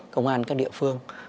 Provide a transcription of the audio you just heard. công an các địa phương